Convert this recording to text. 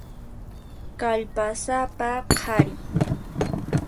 Kallpasapa qhari.